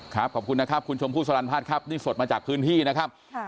ขอบคุณนะครับคุณชมพูสลันพัฒน์ครับนี่สดมาจากพื้นที่นะครับ